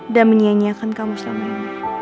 dan menyianyikan kamu selama ini